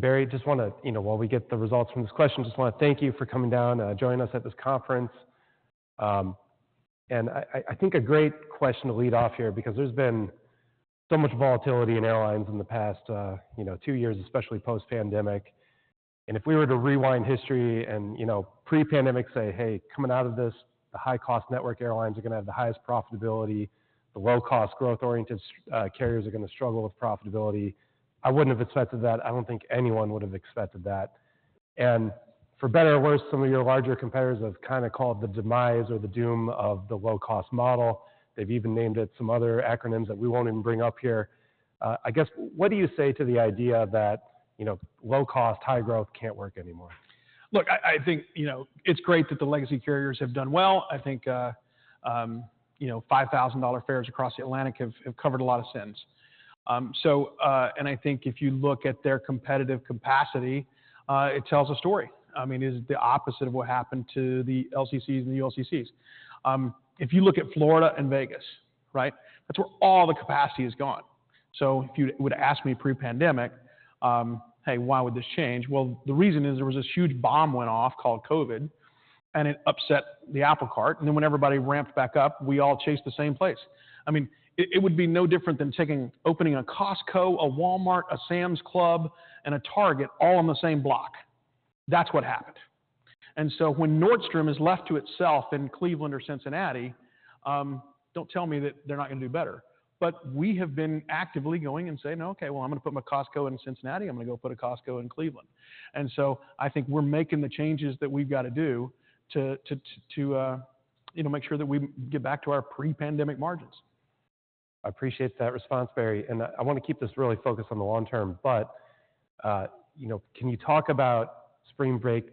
Barry, just want to, you know, while we get the results from this question, just want to thank you for coming down, joining us at this conference. I think a great question to lead off here because there's been so much volatility in airlines in the past, you know, two years, especially post-pandemic. If we were to rewind history and, you know, pre-pandemic, say, "Hey, coming out of this, the high-cost network airlines are gonna have the highest profitability. The low-cost growth-oriented carriers are gonna struggle with profitability," I wouldn't have expected that. I don't think anyone would have expected that. For better or worse, some of your larger competitors have kinda called the demise or the doom of the low-cost model. They've even named it some other acronyms that we won't even bring up here. I guess, what do you say to the idea that, you know, low cost, high growth can't work anymore? Look, I think, you know, it's great that the legacy carriers have done well. I think, you know, $5,000 fares across the Atlantic have covered a lot of sins. And I think if you look at their competitive capacity, it tells a story. I mean, it's the opposite of what happened to the LCCs and the ULCCs. If you look at Florida and Vegas, right? That's where all the capacity has gone. So if you would ask me pre-pandemic, "Hey, why would this change?" Well, the reason is there was this huge bomb went off called COVID, and it upset the apple cart, and then when everybody ramped back up, we all chased the same place. I mean, it would be no different than opening a Costco, a Walmart, a Sam's Club, and a Target all on the same block. That's what happened. And so when Nordstrom is left to itself in Cleveland or Cincinnati, don't tell me that they're not gonna do better. But we have been actively going and saying, "Okay, well, I'm gonna put my Costco in Cincinnati. I'm gonna go put a Costco in Cleveland." And so I think we're making the changes that we've got to do to, you know, make sure that we get back to our pre-pandemic margins. I appreciate that response, Barry, and I want to keep this really focused on the long term, but, you know, can you talk about spring break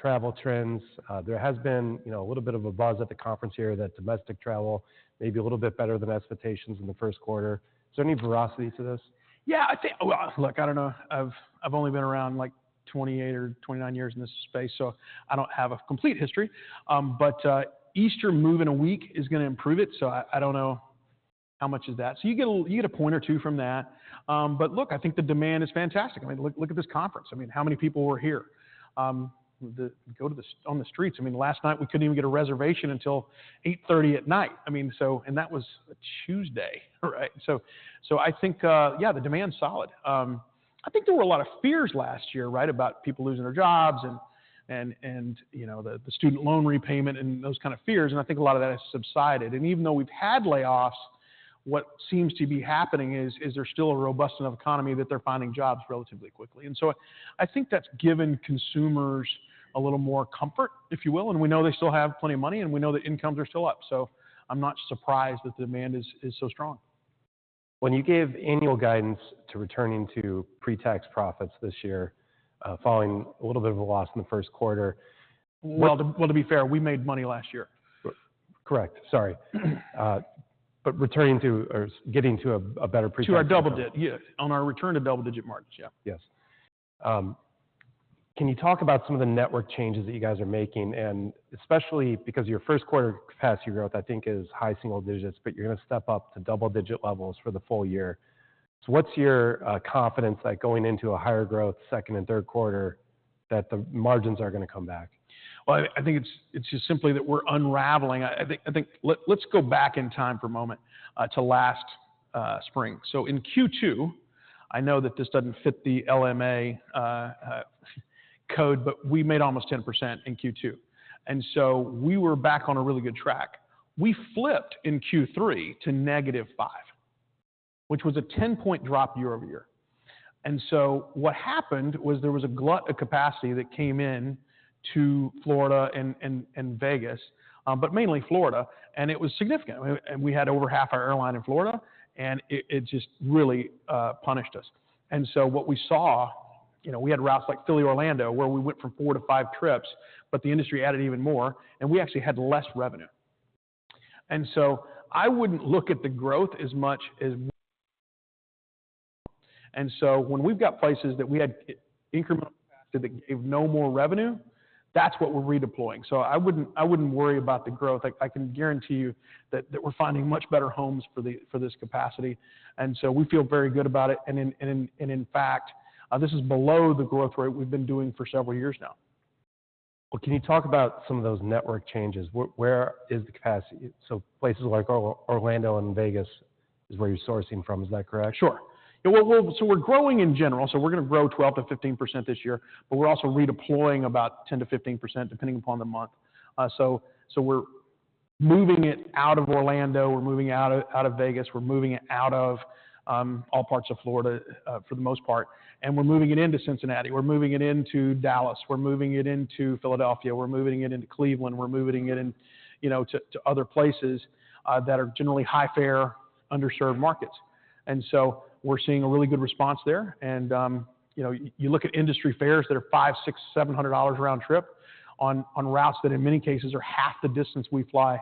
travel trends? There has been, you know, a little bit of a buzz at the conference here that domestic travel may be a little bit better than expectations in the first quarter. Is there any veracity to this? Yeah, I think. Well, look, I don't know. I've only been around, like, 28 or 29 years in this space, so I don't have a complete history. But Easter moving a week is gonna improve it, so I don't know how much is that. So you get a point or two from that. But look, I think the demand is fantastic. I mean, look at this conference. I mean, how many people were here? The... Go to the streets. I mean, last night, we couldn't even get a reservation until 8:30 P.M. I mean, so... And that was a Tuesday, right? So I think, yeah, the demand's solid. I think there were a lot of fears last year, right, about people losing their jobs and, you know, the student loan repayment and those kind of fears, and I think a lot of that has subsided. Even though we've had layoffs, what seems to be happening is there's still a robust enough economy that they're finding jobs relatively quickly. So I think that's given consumers a little more comfort, if you will, and we know they still have plenty of money, and we know that incomes are still up. I'm not surprised that demand is so strong. When you gave annual guidance to returning to pre-tax profits this year, following a little bit of a loss in the first quarter- Well, to be fair, we made money last year. Correct. Sorry. But returning to or getting to a better pre-tax- Yes, on our return to double-digit margins. Yeah. Yes. Can you talk about some of the network changes that you guys are making, and especially because your first quarter capacity growth, I think, is high single digits, but you're gonna step up to double digit levels for the full year. So what's your confidence like going into a higher growth second and third quarter, that the margins are gonna come back? Well, I think it's just simply that we're unraveling. I think. Let's go back in time for a moment, to last spring. So in Q2, I know that this doesn't fit the LMA code, but we made almost 10% in Q2, and so we were back on a really good track. We flipped in Q3 to -5%, which was a 10-point drop year-over-year. So what happened was there was a glut of capacity that came into Florida and Vegas, but mainly Florida, and it was significant. I mean, we had over half our airline in Florida, and it just really punished us. And so what we saw, you know, we had routes like Philly, Orlando, where we went from 4-5 trips, but the industry added even more, and we actually had less revenue. And so I wouldn't look at the growth as much as... And so when we've got places that we had incremental capacity that gave no more revenue, that's what we're redeploying. So I wouldn't, I wouldn't worry about the growth. I, I can guarantee you that, that we're finding much better homes for this capacity, and so we feel very good about it. And in fact, this is below the growth rate we've been doing for several years now. Well, can you talk about some of those network changes? Where is the capacity? So places like Orlando and Vegas is where you're sourcing from. Is that correct? Sure. So we're growing in general, so we're gonna grow 12%-15% this year, but we're also redeploying about 10%-15%, depending upon the month. So we're moving it out of Orlando, we're moving it out of Vegas, we're moving it out of all parts of Florida, for the most part, and we're moving it into Cincinnati, we're moving it into Dallas, we're moving it into Philadelphia, we're moving it into Cleveland, we're moving it in, you know, to other places that are generally high fare, underserved markets. And so we're seeing a really good response there. And you know, you look at industry fares that are $500-$700 round trip on routes that in many cases are half the distance we fly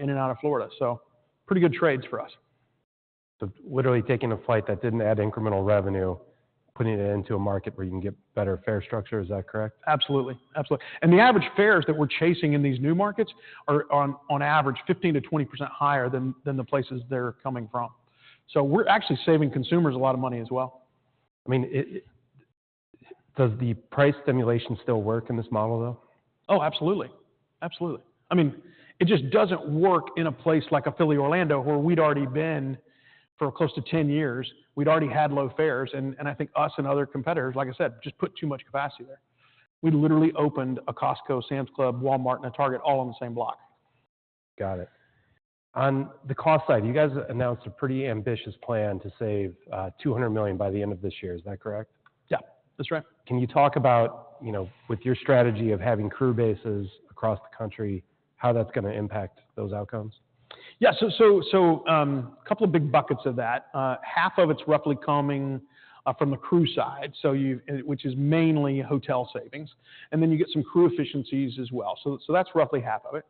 in and out of Florida. Pretty good trades for us. Literally taking a flight that didn't add incremental revenue, putting it into a market where you can get better fare structure. Is that correct? Absolutely. Absolutely. And the average fares that we're chasing in these new markets are on average, 15%-20% higher than the places they're coming from. So we're actually saving consumers a lot of money as well. I mean, does the price stimulation still work in this model, though? Oh, absolutely. Absolutely. I mean, it just doesn't work in a place like Philly or Orlando, where we'd already been for close to 10 years. We'd already had low fares, and, and I think us and other competitors, like I said, just put too much capacity there. We literally opened a Costco, Sam's Club, Walmart, and a Target all on the same block. Got it. On the cost side, you guys announced a pretty ambitious plan to save $200 million by the end of this year. Is that correct? Yeah, that's right. Can you talk about, you know, with your strategy of having crew bases across the country, how that's gonna impact those outcomes? Yeah. So, a couple of big buckets of that. Half of it's roughly coming from the crew side, so, which is mainly hotel savings, and then you get some crew efficiencies as well. So that's roughly half of it.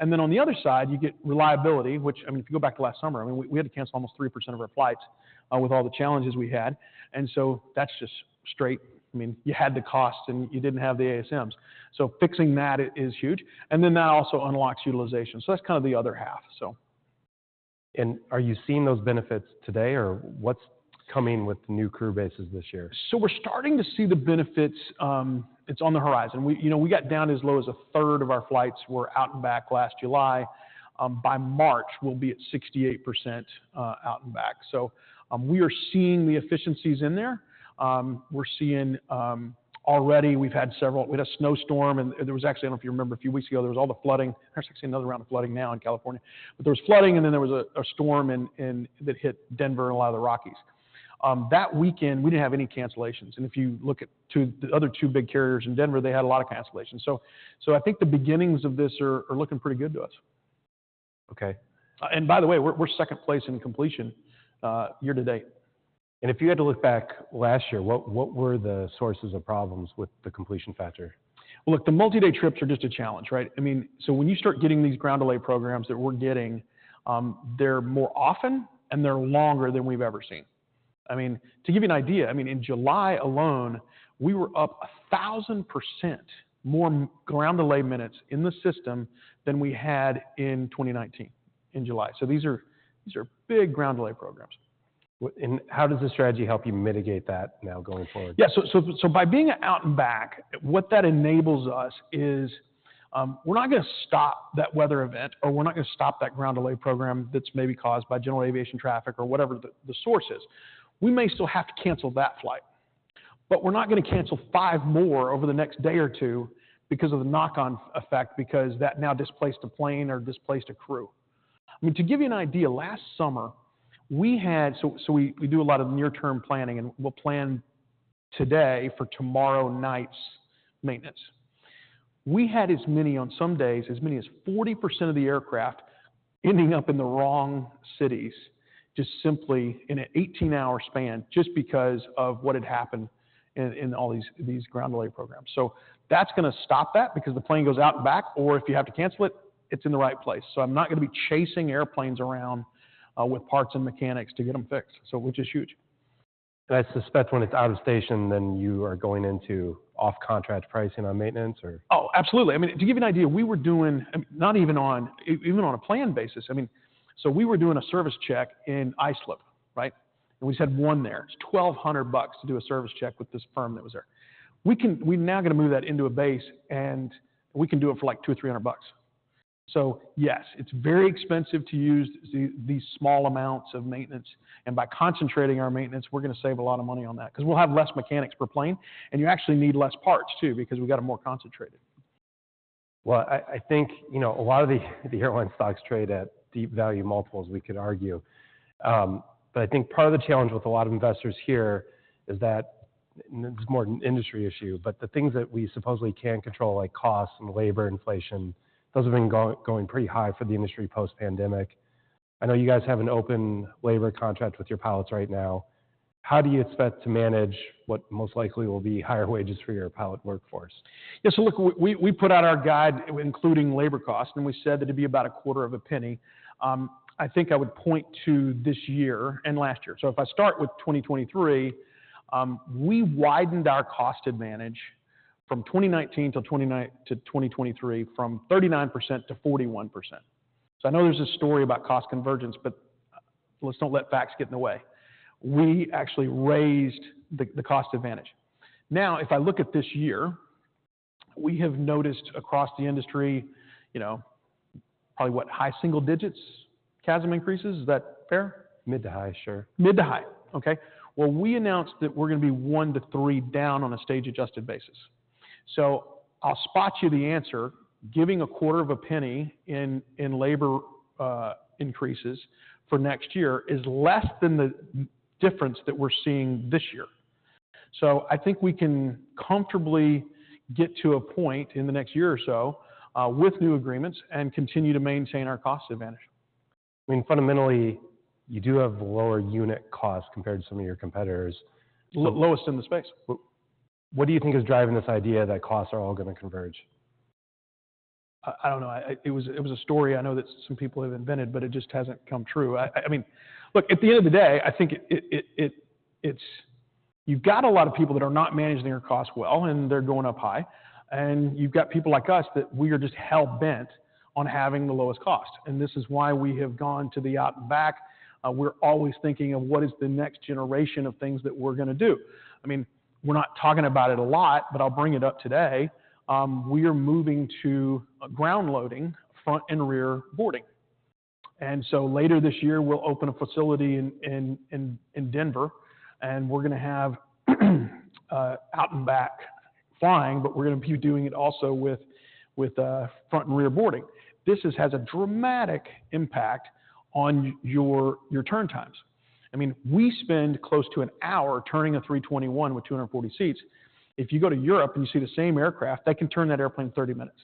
And then on the other side, you get reliability, which, I mean, if you go back to last summer, I mean, we had to cancel almost 3% of our flights with all the challenges we had. And so that's just straight... I mean, you had the costs, and you didn't have the ASMs. So fixing that is huge, and then that also unlocks utilization. So that's kind of the other half, so. Are you seeing those benefits today, or what's coming with the new crew bases this year? So we're starting to see the benefits, it's on the horizon. We, you know, we got down to as low as a third of our flights were out and back last July. By March, we'll be at 68%, out and back. So, we are seeing the efficiencies in there. We're seeing, already we've had several—we had a snowstorm, and there was actually, I don't know if you remember, a few weeks ago, there was all the flooding. There's actually another round of flooding now in California. But there was flooding, and then there was a storm that hit Denver and a lot of the Rockies. That weekend, we didn't have any cancellations, and if you look at the other two big carriers in Denver, they had a lot of cancellations. So, I think the beginnings of this are looking pretty good to us. Okay. And by the way, we're second place in completion year to date. If you had to look back last year, what, what were the sources of problems with the completion factor? Look, the multi-day trips are just a challenge, right? I mean, so when you start getting these ground delay programs that we're getting, they're more often, and they're longer than we've ever seen. I mean, to give you an idea, I mean, in July alone, we were up 1,000% more ground delay minutes in the system than we had in 2019, in July. So these are, these are big ground delay programs. Well, and how does this strategy help you mitigate that now going forward? Yeah. So by being out and back, what that enables us is, we're not gonna stop that weather event, or we're not gonna stop that Ground Delay Program that's maybe caused by general aviation traffic or whatever the source is. We may still have to cancel that flight, but we're not gonna cancel five more over the next day or two because of the knock-on effect, because that now displaced a plane or displaced a crew. I mean, to give you an idea, last summer, we had... So we do a lot of near-term planning, and we'll plan today for tomorrow night's maintenance. We had, on some days, as many as 40% of the aircraft ending up in the wrong cities, just simply in an 18-hour span, just because of what had happened in all these Ground Delay Programs. So that's gonna stop that because the plane goes out and back, or if you have to cancel it, it's in the right place. So I'm not gonna be chasing airplanes around with parts and mechanics to get them fixed. So which is huge. I suspect when it's out of station, then you are going into off-contract pricing on maintenance or? Oh, absolutely. I mean, to give you an idea, we were doing even on a planned basis, I mean, so we were doing a service check in Islip, right? And we just had one there. It's $1,200 bucks to do a service check with this firm that was there. We can, we now are gonna move that into a base, and we can do it for, like, $200-$300 bucks. So yes, it's very expensive to use the, these small amounts of maintenance, and by concentrating our maintenance, we're gonna save a lot of money on that because we'll have less mechanics per plane, and you actually need less parts, too, because we got them more concentrated. Well, I think, you know, a lot of the airline stocks trade at deep value multiples, we could argue. But I think part of the challenge with a lot of investors here is that, and it's more an industry issue, but the things that we supposedly can't control, like cost and labor inflation, those have been going pretty high for the industry post-pandemic. I know you guys have an open labor contract with your pilots right now. How do you expect to manage what most likely will be higher wages for your pilot workforce? Yeah, so look, we put out our guide, including labor costs, and we said that it'd be about a quarter of a penny. I think I would point to this year and last year. So if I start with 2023, we widened our cost advantage from 2019 to 2023, from 39% to 41%. So I know there's a story about cost convergence, but let's not let facts get in the way. We actually raised the cost advantage. Now, if I look at this year, we have noticed across the industry, you know, probably what? High single digits, CASM increases, is that fair? Mid to high, sure. Mid to high. Okay. Well, we announced that we're gonna be 1-3 down on a stage-adjusted basis. So I'll spot you the answer. Giving $0.0025 in labor increases for next year is less than the difference that we're seeing this year. So I think we can comfortably get to a point in the next year or so, with new agreements and continue to maintain our cost advantage. I mean, fundamentally, you do have lower unit costs compared to some of your competitors. lowest in the space. What do you think is driving this idea that costs are all gonna converge? I don't know. It was a story I know that some people have invented, but it just hasn't come true. I mean, look, at the end of the day, I think it's... You've got a lot of people that are not managing their costs well, and they're going up high. And you've got people like us, that we are just hell-bent on having the lowest cost, and this is why we have gone to the out and back. We're always thinking of what is the next generation of things that we're gonna do. I mean, we're not talking about it a lot, but I'll bring it up today. We are moving to ground loading front and rear boarding. Later this year, we'll open a facility in Denver, and we're gonna have out and back flying, but we're gonna be doing it also with front and rear boarding. This has a dramatic impact on your turn times. I mean, we spend close to an hour turning an A321 with 240 seats. If you go to Europe and you see the same aircraft, they can turn that airplane in 30 minutes.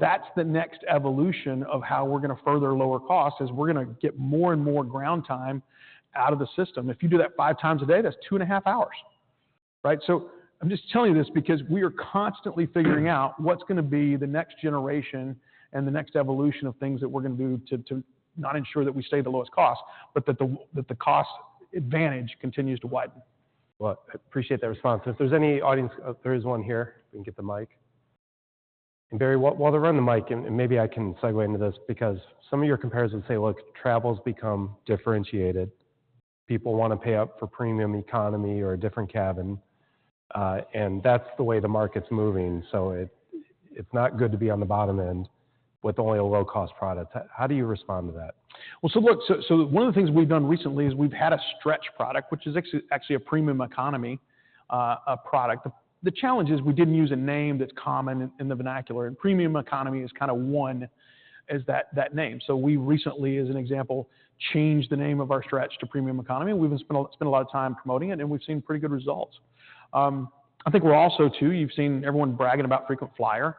That's the next evolution of how we're gonna further lower costs; we're gonna get more and more ground time out of the system. If you do that 5x a day, that's 2.5 hours, right? So, I'm just telling you this because we are constantly figuring out what's gonna be the next generation and the next evolution of things that we're gonna do to, to not ensure that we stay the lowest cost, but that the, that the cost advantage continues to widen. Well, I appreciate that response. If there's any audience... There is one here. Let me get the mic. And, Barry, while they're running the mic, and maybe I can segue into this, because some of your competitors say, "Look, travel's become differentiated. People wanna pay up for premium economy or a different cabin, and that's the way the market's moving. So it's not good to be on the bottom end with only a low-cost product." How do you respond to that? Well, so look, one of the things we've done recently is we've had a Stretch product, which is actually a Premium Economy product. The challenge is we didn't use a name that's common in the vernacular, and Premium Economy is kind of one, that name. So we recently, as an example, changed the name of our Stretch to Premium Economy, and we've spent a lot of time promoting it, and we've seen pretty good results. I think we're also too... You've seen everyone bragging about frequent flyer.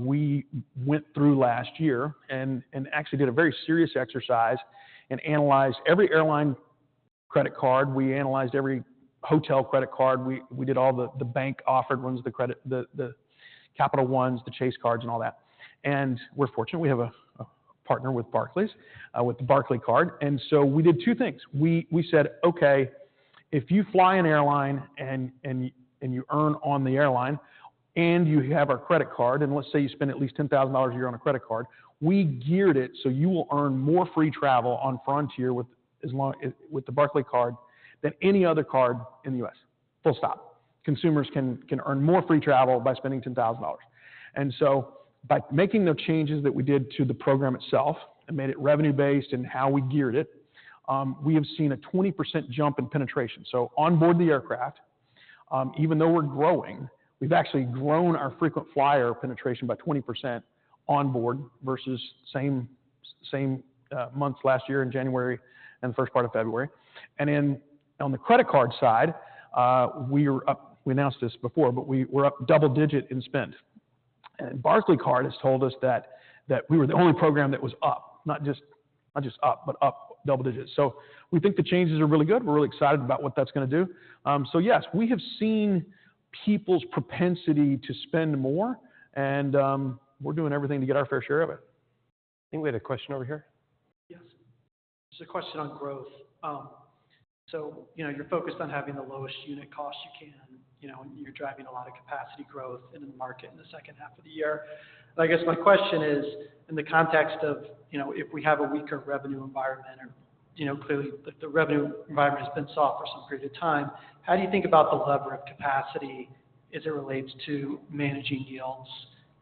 We went through last year and actually did a very serious exercise and analyzed every airline credit card. We analyzed every hotel credit card. We did all the bank-offered ones, the Capital Ones, the Chase cards, and all that. We're fortunate we have a partner with Barclays, with the Barclays card. So we did two things. We said: Okay, if you fly an airline and you earn on the airline, and you have our credit card, and let's say you spend at least $10,000 a year on a credit card, we geared it so you will earn more free travel on Frontier with the Barclays card than any other card in the US. Full stop. Consumers can earn more free travel by spending $10,000. So by making the changes that we did to the program itself and made it revenue-based and how we geared it, we have seen a 20% jump in penetration. So on board the aircraft, even though we're growing, we've actually grown our frequent flyer penetration by 20% on board versus same, same, months last year in January and the first part of February. And on the credit card side, we were up. We announced this before, but we were up double digit in spend. And Barclaycard has told us that, that we were the only program that was up, not just, not just up, but up double digits. So we think the changes are really good. We're really excited about what that's gonna do. So yes, we have seen people's propensity to spend more, and, we're doing everything to get our fair share of it. I think we had a question over here. Yes. Just a question on growth. So, you know, you're focused on having the lowest unit cost you can. You know, you're driving a lot of capacity growth in the market in the second half of the year. I guess my question is, in the context of, you know, if we have a weaker revenue environment or, you know, clearly the revenue environment has been soft for some period of time, how do you think about the lever of capacity as it relates to managing yields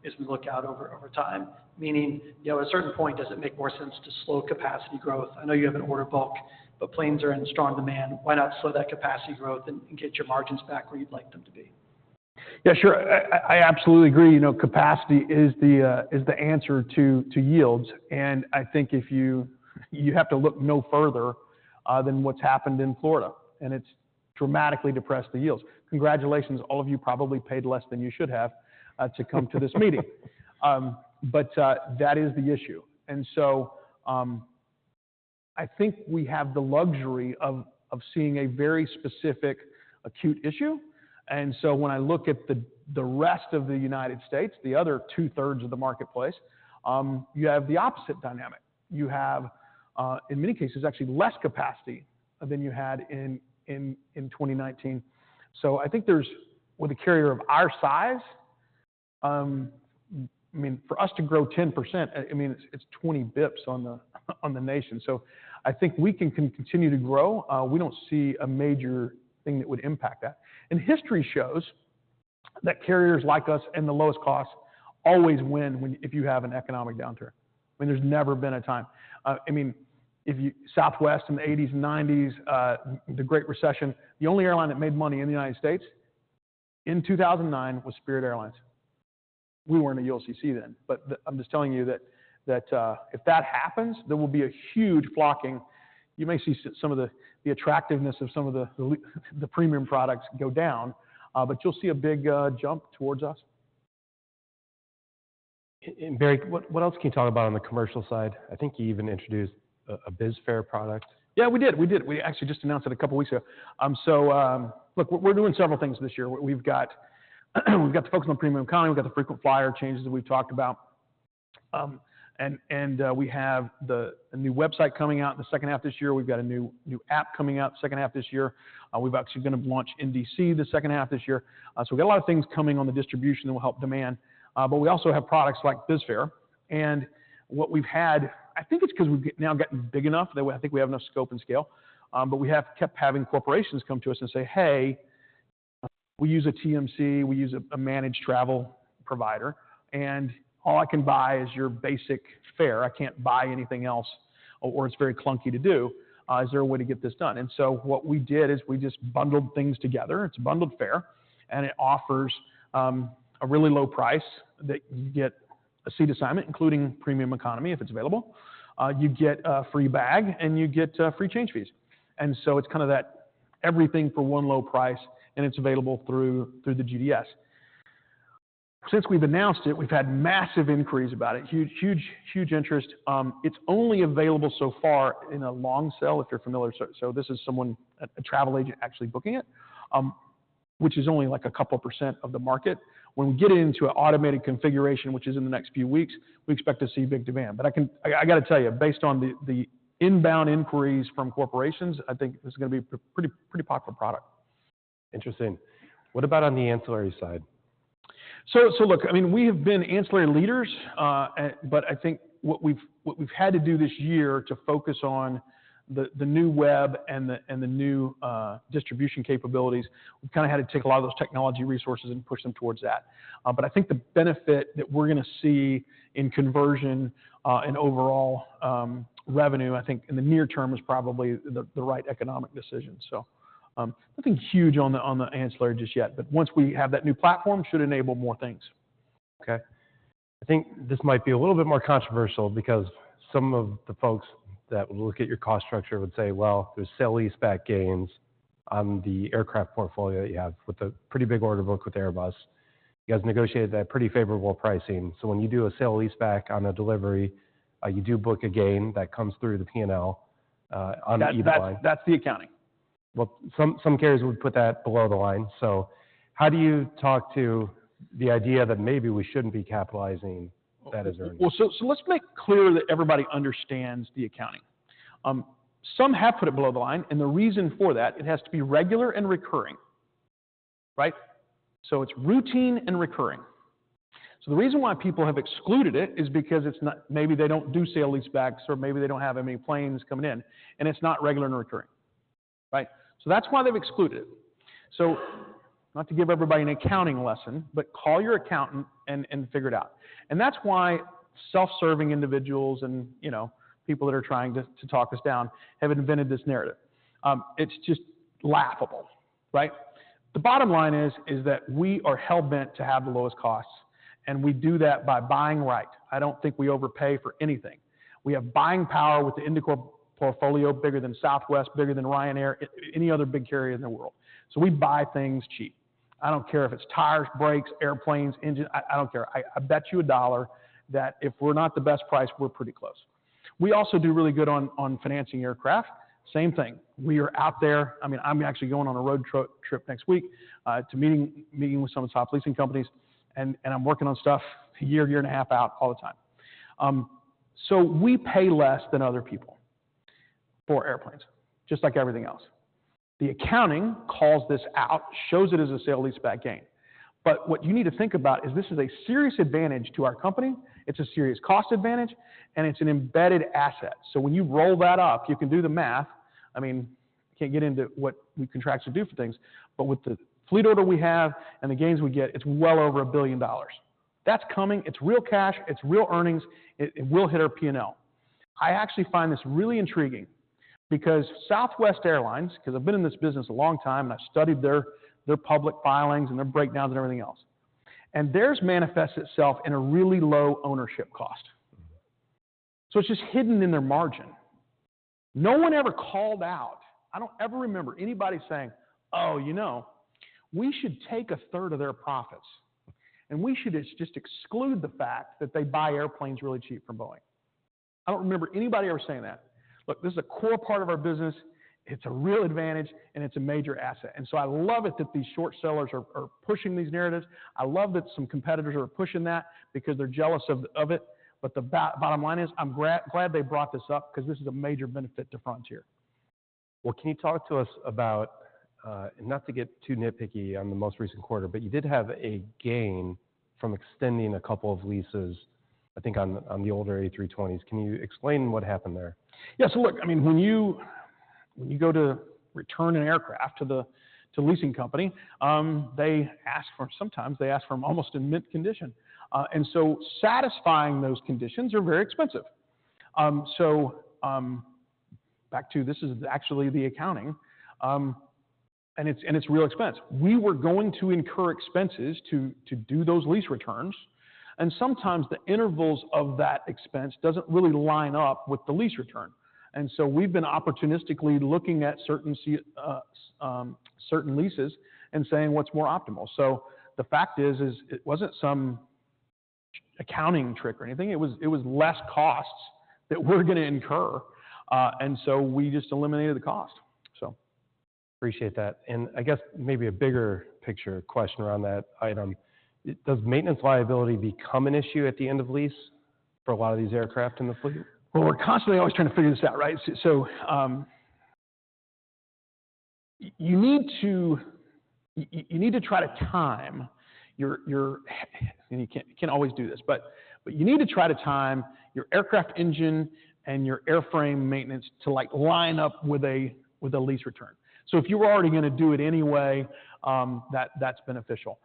as we look out over time? Meaning, you know, at a certain point, does it make more sense to slow capacity growth? I know you have an order book, but planes are in strong demand. Why not slow that capacity growth and get your margins back where you'd like them to be? Yeah, sure. I absolutely agree. You know, capacity is the answer to yields, and I think if you have to look no further than what's happened in Florida, and it's dramatically depressed the yields. Congratulations, all of you probably paid less than you should have to come to this meeting. But that is the issue. And so I think we have the luxury of seeing a very specific acute issue. And so when I look at the rest of the United States, the other two-thirds of the marketplace, you have the opposite dynamic. You have, in many cases, actually less capacity than you had in 2019. So I think there's... With a carrier of our size, I mean, for us to grow 10%, I mean, it's 20 bps on the, on the nation. So I think we can continue to grow. We don't see a major thing that would impact that. And history shows that carriers like us and the lowest cost always win when if you have an economic downturn. I mean, there's never been a time. I mean, Southwest in the eighties and nineties, the Great Recession, the only airline that made money in the United States in 2009 was Spirit Airlines. We weren't a ULCC then, but the. I'm just telling you that, that, if that happens, there will be a huge flocking. You may see some of the attractiveness of some of the premium products go down, but you'll see a big jump towards us. Barry, what else can you talk about on the commercial side? I think you even introduced a BizFare product. Yeah, we did. We did. We actually just announced it a couple of weeks ago. So, look, we're doing several things this year. We've got to focus on Premium Economy. We've got the frequent flyer changes that we've talked about. And we have a new website coming out in the second half this year. We've got a new app coming out second half this year. We've actually gonna launch in D.C. the second half this year. So we got a lot of things coming on the distribution that will help demand, but we also have products like BizFare. And what we've had... I think it's 'cause we've now gotten big enough that way I think we have enough scope and scale, but we have kept having corporations come to us and say, "Hey, we use a TMC, we use a managed travel provider, and all I can buy is your basic fare. I can't buy anything else, or it's very clunky to do. Is there a way to get this done?" And so what we did is we just bundled things together. It's a bundled fare, and it offers a really low price that you get a seat assignment, including Premium Economy, if it's available. You get a free bag, and you get free change fees. And so it's kind of that everything for one low price, and it's available through the GDS. Since we've announced it, we've had massive inquiries about it. Huge, huge, huge interest. It's only available so far in a long sell, if you're familiar. So this is someone, a travel agent actually booking it, which is only, like, a couple of % of the market. When we get into an automated configuration, which is in the next few weeks, we expect to see big demand. But I gotta tell you, based on the inbound inquiries from corporations, I think this is gonna be a pretty, pretty popular product. Interesting. What about on the ancillary side? So, look, I mean, we have been ancillary leaders, and but I think what we've had to do this year to focus on the new web and the new distribution capabilities, we've kinda had to take a lot of those technology resources and push them towards that. But I think the benefit that we're gonna see in conversion and overall revenue, I think in the near term, is probably the right economic decision. So, nothing huge on the ancillary just yet, but once we have that new platform, should enable more things. Okay. I think this might be a little bit more controversial because some of the folks that look at your cost structure would say, "Well, there's sale-leaseback gains on the aircraft portfolio that you have with a pretty big order book with Airbus." You guys negotiated that pretty favorable pricing. So when you do a sale-leaseback on a delivery, you do book a gain that comes through the P&L, on the bottom line. That, that's the accounting. Well, some carriers would put that below the line, so how do you talk to the idea that maybe we shouldn't be capitalizing that as earnings? Well, so let's make clear that everybody understands the accounting. Some have put it below the line, and the reason for that, it has to be regular and recurring, right? So it's routine and recurring. So the reason why people have excluded it is because it's not... Maybe they don't do sale-leasebacks, or maybe they don't have any planes coming in, and it's not regular and recurring, right? So that's why they've excluded it. So not to give everybody an accounting lesson, but call your accountant and figure it out. And that's why self-serving individuals and, you know, people that are trying to talk us down have invented this narrative. It's just laughable, right? The bottom line is that we are hell-bent to have the lowest costs, and we do that by buying right. I don't think we overpay for anything. We have buying power with the Indigo portfolio, bigger than Southwest, bigger than Ryanair, any other big carrier in the world. So we buy things cheap. I don't care if it's tires, brakes, airplanes, engines. I don't care. I bet you a dollar that if we're not the best price, we're pretty close. We also do really good on financing aircraft. Same thing, we are out there. I mean, I'm actually going on a road trip next week to meet with some of the top leasing companies, and I'm working on stuff a year and a half out all the time. So we pay less than other people for airplanes, just like everything else. The accounting calls this out, shows it as a sale-leaseback gain. But what you need to think about is this is a serious advantage to our company, it's a serious cost advantage, and it's an embedded asset. So when you roll that up, you can do the math. I mean, can't get into what the contracts will do for things, but with the fleet order we have and the gains we get, it's well over $1 billion. That's coming. It's real cash, it's real earnings, it, it will hit our P&L. I actually find this really intriguing because Southwest Airlines, 'cause I've been in this business a long time, and I've studied their, their public filings and their breakdowns and everything else, and theirs manifests itself in a really low ownership cost. So it's just hidden in their margin. No one ever called out. I don't ever remember anybody saying, "Oh, you know, we should take a third of their profits, and we should just exclude the fact that they buy airplanes really cheap from Boeing." I don't remember anybody ever saying that. Look, this is a core part of our business, it's a real advantage, and it's a major asset. And so I love it that these short sellers are pushing these narratives. I love that some competitors are pushing that because they're jealous of it, but the bottom line is, I'm glad they brought this up because this is a major benefit to Frontier. Well, can you talk to us about not to get too nitpicky on the most recent quarter, but you did have a gain from extending a couple of leases, I think, on the older A320s. Can you explain what happened there? Yeah, so look, I mean, when you go to return an aircraft to the leasing company, they ask for, sometimes they ask for them almost in mint condition. And so satisfying those conditions are very expensive. So, back to this is actually the accounting, and it's real expense. We were going to incur expenses to do those lease returns, and sometimes the intervals of that expense doesn't really line up with the lease return. And so we've been opportunistically looking at certain leases and saying what's more optimal. So the fact is, it wasn't some accounting trick or anything. It was less costs that we're gonna incur, and so we just eliminated the cost, so.... Appreciate that. I guess maybe a bigger picture question around that item: Does maintenance liability become an issue at the end of lease for a lot of these aircraft in the fleet? Well, we're constantly always trying to figure this out, right? So, you need to try to time your... And you can't always do this, but you need to try to time your aircraft engine and your airframe maintenance to, like, line up with a lease return. So if you were already going to do it anyway, that's beneficial.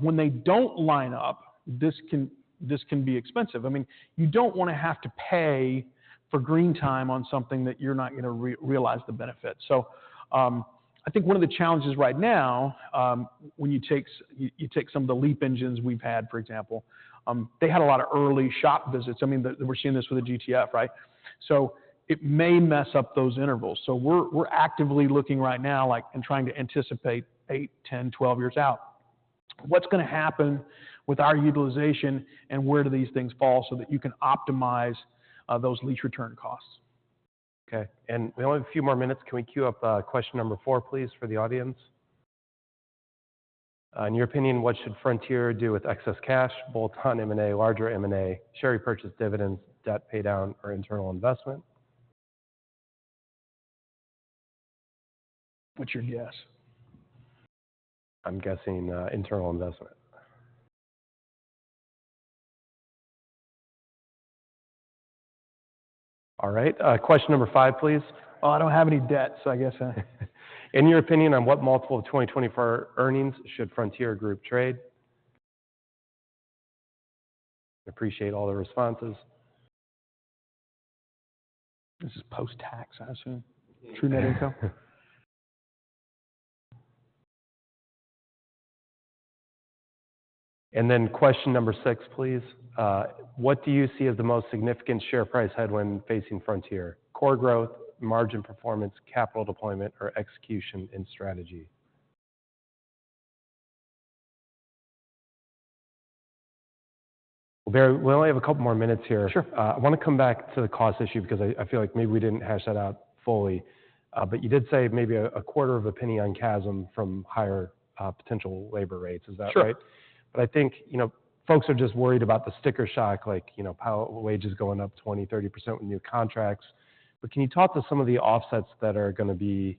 When they don't line up, this can be expensive. I mean, you don't want to have to pay for green time on something that you're not going to realize the benefit. So, I think one of the challenges right now, when you take some of the LEAP engines we've had, for example, they had a lot of early shop visits. I mean, we're seeing this with the GTF, right? So it may mess up those intervals. So we're actively looking right now, like, and trying to anticipate 8, 10, 12 years out. What's going to happen with our utilization, and where do these things fall so that you can optimize those lease return costs? Okay. And we only have a few more minutes. Can we queue up, question number four, please, for the audience? In your opinion, what should Frontier do with excess cash? Bolt-on M&A, larger M&A, share repurchase dividends, debt paydown, or internal investment? What's your guess? I'm guessing internal investment. All right. Question number five, please. Oh, I don't have any debt, so I guess... In your opinion, on what multiple of 2024 earnings should Frontier Group trade? Appreciate all the responses. This is post-tax, I assume? True net income. Yeah. And then question number six, please. What do you see as the most significant share price headwind facing Frontier? Core growth, margin performance, capital deployment, or execution in strategy? Barry, we only have a couple more minutes here. Sure. I want to come back to the cost issue because I, I feel like maybe we didn't hash that out fully. But you did say maybe $0.0025 on CASM from higher potential labor rates. Is that right? Sure. I think, you know, folks are just worried about the sticker shock, like, you know, pilot wages going up 20, 30% with new contracts. Can you talk to some of the offsets that are going to be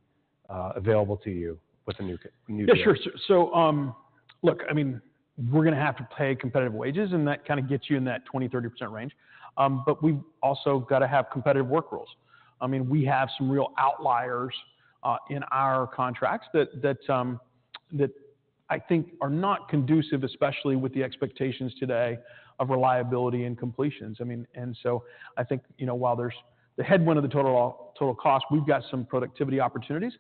available to you with the new, new deal? Yeah, sure. So, so, look, I mean, we're going to have to pay competitive wages, and that kind of gets you in that 20%-30% range. But we've also got to have competitive work rules. I mean, we have some real outliers in our contracts that I think are not conducive, especially with the expectations today of reliability and completions. I mean, and so I think, you know, while there's the headwind of the total cost, we've got some productivity opportunities,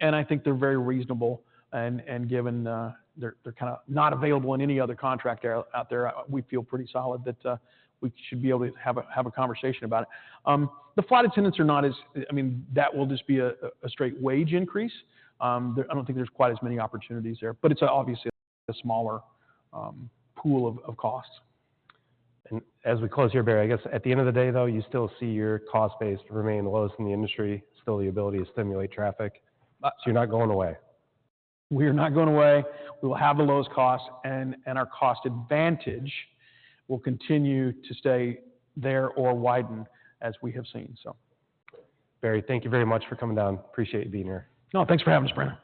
and I think they're very reasonable. And given, they're kind of not available in any other contract out there, we feel pretty solid that we should be able to have a conversation about it. The flight attendants are not as—I mean, that will just be a straight wage increase. I don't think there's quite as many opportunities there, but it's obviously a smaller pool of costs. As we close here, Barry, I guess at the end of the day, though, you still see your cost base remain the lowest in the industry, still the ability to stimulate traffic. Uh- So you're not going away? We are not going away. We will have the lowest cost, and our cost advantage will continue to stay there or widen, as we have seen, so. Barry, thank you very much for coming down. Appreciate you being here. No, thanks for having us, Brandon.